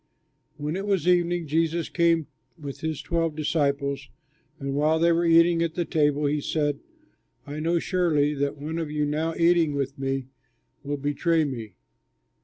When it was evening Jesus came with his twelve disciples; and while they were eating at the table, he said, "I know surely that one of you now eating with me will betray me."